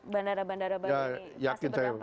bandara bandara baru ini pasti berdampak